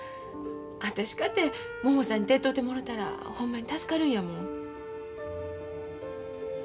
私かてももさんに手伝うてもろたらほんまに助かるんやもん。